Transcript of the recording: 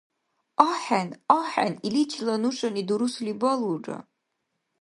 АхӀен, ахӀен, иличила нушани дурусли балулра.